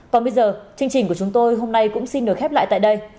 còn bây giờ chương trình của chúng tôi hôm nay cũng xin được khép lại tại đây